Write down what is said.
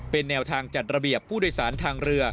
เป็นแนวทางจัดระเบียบผู้โดยสารทางเรือ